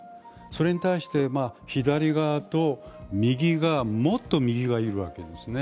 それに対して左側と右が、もっと右がいるわけですね。